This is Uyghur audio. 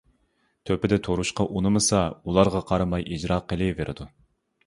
تۆپىدە تۇرۇشقا ئۇنىمىسا، ئۇلارغا قارىماي ئىجرا قىلىۋېرىدۇ.